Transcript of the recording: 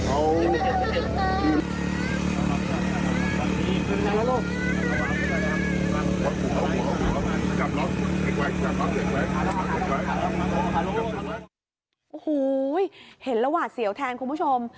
โอ้โหเห็นแล้วหวาดเสียวแทนคุณผู้ชม